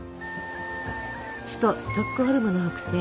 首都ストックホルムの北西